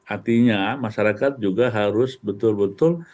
artinya masyarakat juga harus betul betul